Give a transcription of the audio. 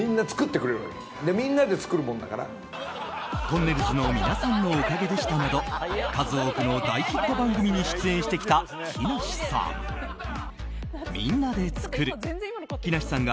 「とんねるずのみなさんのおかげでした」など数多くの大ヒット番組に出演してきた木梨さん。